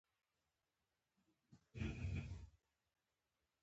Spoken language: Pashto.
مګر فیصه ونه شوه.